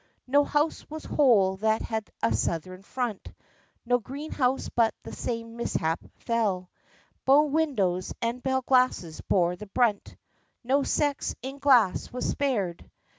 No house was whole that had a southern front, No greenhouse but the same mishap befell; Bow windows and bell glasses bore the brunt, No sex in glass was spared!